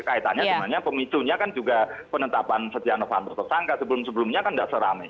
kaitannya sebenarnya pemicunya kan juga penetapan setia novanto tersangka sebelum sebelumnya kan tidak seramai